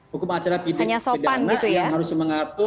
hukum acara pidana yang harus mengatur